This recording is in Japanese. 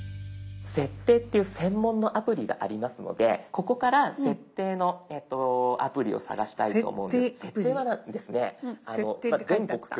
「設定」っていう専門のアプリがありますのでここから「設定」のアプリを探したいと思うんですけど「設定」は全国共通というか世界共通。